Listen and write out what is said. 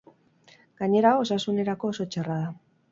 Gainera, osasunerako oso txarra da.